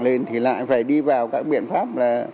lên thì lại phải đi vào các biện pháp